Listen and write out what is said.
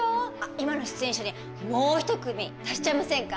今の出演者にもうひと組足しちゃいませんか？